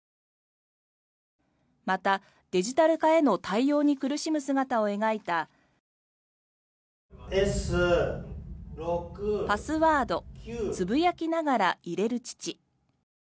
また、デジタル化への対応に苦しむ姿を描いた「パスワードつぶやきながら入れる父」。